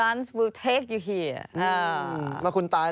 ฟังเสียงคุณฟอร์กันนี่โมฮามัทอัตซันนะครับ